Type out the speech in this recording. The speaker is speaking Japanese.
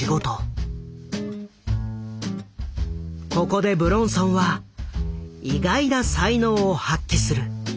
ここで武論尊は意外な才能を発揮する。